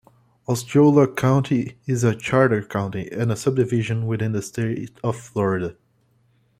Osceola County is a charter county, and a subdivision within the State of Florida.